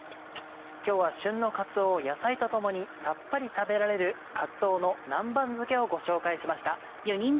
今日は旬のかつおを野菜と共にさっぱり食べられる「かつおの南蛮漬け」をご紹介しました。